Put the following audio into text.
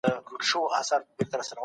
تاسي ولي خپلو پخوانیو نېکمرغیو ته شا کوئ؟